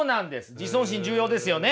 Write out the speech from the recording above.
自尊心重要ですよね。